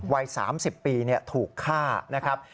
วัย๓๐ปีถูกฆ่านะครับ